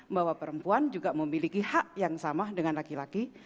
bahwa perempuan juga memiliki hak yang sama dengan laki laki